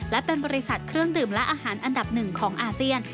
และเป็นบริษัทเครื่องดื่มและอาหารอันดับหนึ่งของอาเซียน